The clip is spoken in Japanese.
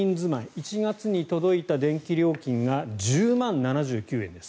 １月に届いた電気料金が１０万７９円です。